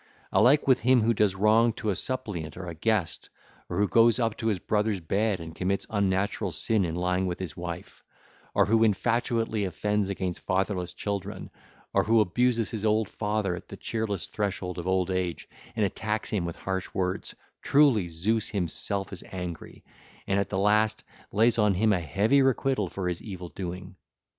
Alike with him who does wrong to a suppliant or a guest, or who goes up to his brother's bed and commits unnatural sin in lying with his wife, or who infatuately offends against fatherless children, or who abuses his old father at the cheerless threshold of old age and attacks him with harsh words, truly Zeus himself is angry, and at the last lays on him a heavy requittal for his evil doing.